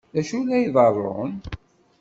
D acu ay la iḍerrun?